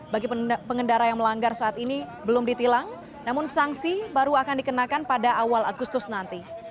bagi pengendara yang melanggar saat ini belum ditilang namun sanksi baru akan dikenakan pada awal agustus nanti